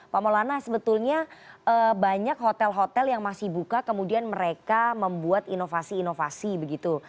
pak maulana sebetulnya banyak hotel hotel yang masih buka kemudian mereka membuat inovasi inovasi begitu